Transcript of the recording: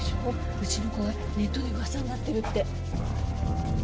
うちの子がネットでウワサになってるって。